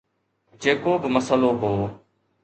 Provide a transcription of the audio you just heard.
جيڪو به مسئلو هو.